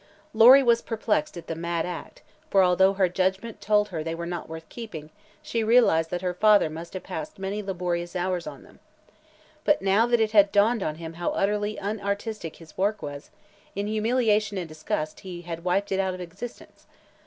Lory was perplexed at the mad act, for although her judgment told her they were not worth keeping, she realized that her father must have passed many laborious hours on them. But now that it had dawned on him how utterly inartistic his work was, in humiliation and disgust he had wiped it out of existence.